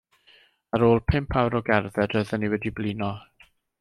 Ar ôl pump awr o gerdded oeddan ni wedi blino.